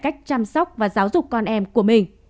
cách chăm sóc và giáo dục con em của mình